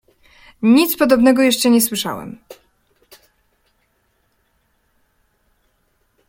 "Nic podobnego jeszcze nie słyszałem."